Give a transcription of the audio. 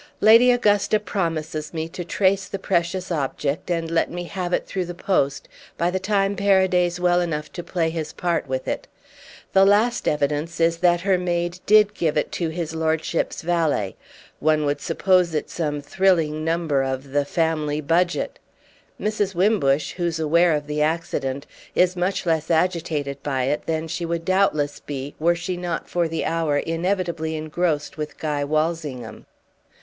Lady Augusta promises me to trace the precious object and let me have it through the post by the time Paraday's well enough to play his part with it. The last evidence is that her maid did give it to his lordship's valet. One would suppose it some thrilling number of The Family Budget. Mrs. Wimbush, who's aware of the accident, is much less agitated by it than she would doubtless be were she not for the hour inevitably engrossed with Guy Walsingham."